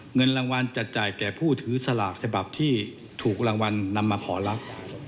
เงินรางวัลจะจ่ายแก่ผู้ถือสลากฉบับที่ถูกรางวัลนำมาขอรับ